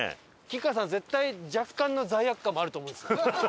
吉川さん絶対若干の罪悪感もあると思うんですよ。